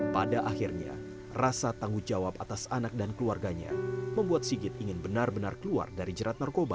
pada akhirnya rasa tanggung jawab atas anak dan keluarganya membuat sigit ingin benar benar keluar dari jerat narkoba